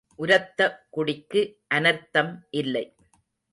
உரத்த குடிக்கு அனர்த்தம் இல்லை.